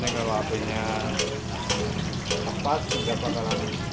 seandainya kalau apinya tepat nggak bakalan